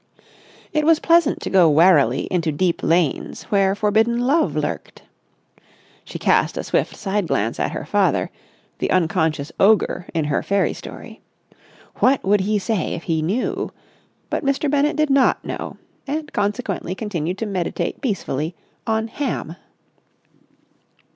It was pleasant to go warily into deep lanes where forbidden love lurked. She cast a swift side glance at her father—the unconscious ogre in her fairy story. What would he say if he knew? But Mr. Bennett did not know, and consequently continued to meditate peacefully on ham.